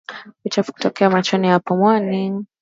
Uchafu kutokea machoni na puani